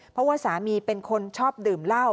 เพราะว่าสามีเป็นคนชอบดื่มเหล้า